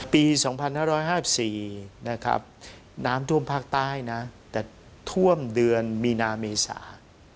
ปี๒๕๕๔นะครับน้ำท่วมภาคใต้นะแต่ท่วมเดือนมีนาเมษา